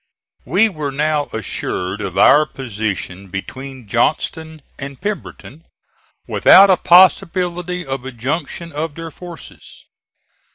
We were now assured of our position between Johnston and Pemberton, without a possibility of a junction of their forces.